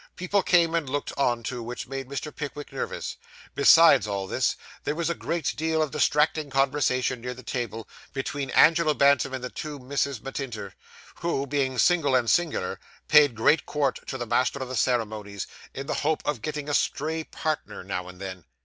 People came and looked on, too, which made Mr. Pickwick nervous. Besides all this, there was a great deal of distracting conversation near the table, between Angelo Bantam and the two Misses Matinter, who, being single and singular, paid great court to the Master of the Ceremonies, in the hope of getting a stray partner now and then.